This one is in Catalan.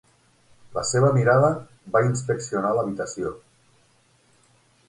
La seva mirada va inspeccionar l'habitació.